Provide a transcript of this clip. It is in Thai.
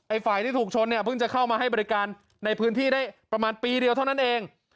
ฝ่ายที่ถูกชนเนี่ยเพิ่งจะเข้ามาให้บริการในพื้นที่ได้ประมาณปีเดียวเท่านั้นเอง